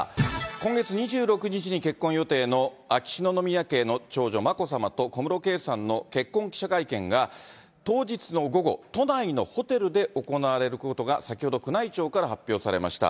今月２６日に結婚予定の秋篠宮家の長女、眞子さまと小室圭さんの結婚記者会見が、当日の午後、都内のホテルで行われることが、先ほど、宮内庁から発表されました。